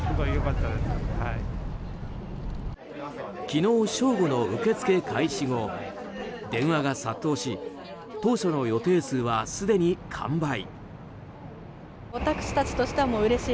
昨日正午の受け付け開始後電話が殺到し当初の予定数は、すでに完売。